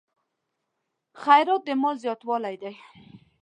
خیرات د مال زیاتوالی دی.